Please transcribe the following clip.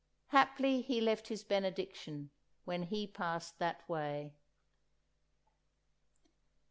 Haply He left His Benediction when He passed that way.